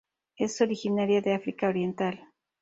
Es originaria de África oriental.